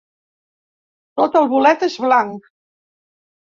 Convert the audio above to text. Tot el bolet és blanc.